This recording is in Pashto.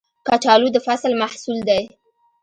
کچالو د فصل محصول دی